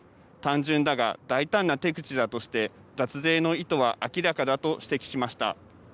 単純だが大胆な手口だとして脱税の意図は明らかだと指摘しました。